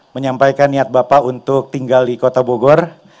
menyampaikan niat bapak untuk tinggal di kota bogor